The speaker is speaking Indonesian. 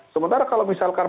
sementara kalau misalkan